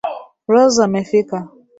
Rose amefika.